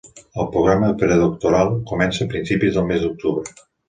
El programa predoctoral comença a principis del mes d'octubre.